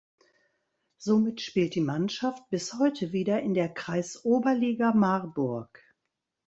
Somit spielt die Mannschaft bis heute wieder in der "Kreisoberliga Marburg".